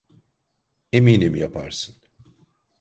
Eminim yaparsın.